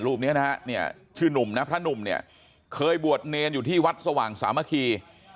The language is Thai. รูปนี้นะฮะเนี่ยชื่อนุ่มนะพระหนุ่มเนี่ยเคยบวชเนรอยู่ที่วัดสว่างสามัคคี